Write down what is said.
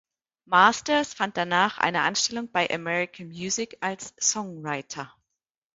Masters fand danach eine Anstellung bei American Music als Songwriter.